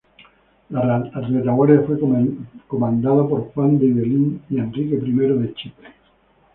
La retaguardia fue comandada por Juan de Ibelín y Enrique I de Chipre.